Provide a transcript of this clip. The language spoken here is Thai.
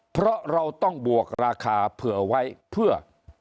เพราะเราต้องบวกราคาเผื่อไว้เพื่อ